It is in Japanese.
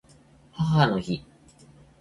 母の日